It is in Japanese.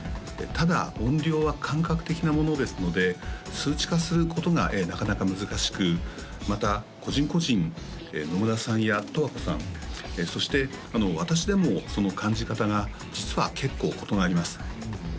ただ音量は感覚的なものですので数値化することがなかなか難しくまた個人個人野村さんや十和子さんそして私でもその感じ方が実は結構異なります